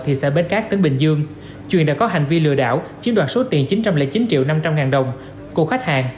thị xã bến cát tỉnh bình dương truyền đã có hành vi lừa đảo chiếm đoạt số tiền chín trăm linh chín triệu năm trăm linh ngàn đồng của khách hàng